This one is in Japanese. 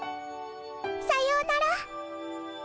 さようなら。